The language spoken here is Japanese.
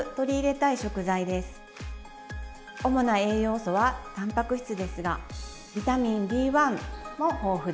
主な栄養素はたんぱく質ですがビタミンＢ１も豊富です。